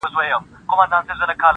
په دنیا کي چي تر څو جبر حاکم وي-